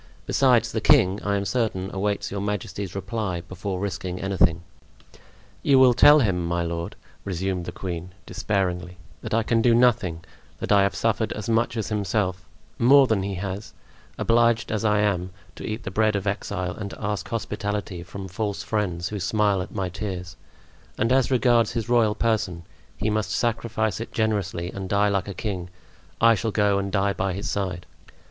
Besides, the king, I am certain, awaits your majesty's reply before risking anything." "You will tell him, my lord," resumed the queen, despairingly, "that I can do nothing; that I have suffered as much as himself—more than he has—obliged as I am to eat the bread of exile and to ask hospitality from false friends who smile at my tears; and as regards his royal person, he must sacrifice it generously and die like a king. I shall go and die by his side."